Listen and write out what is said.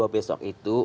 dua puluh dua besok itu